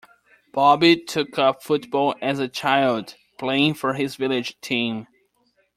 Bobby took up football as a child, playing for his village team.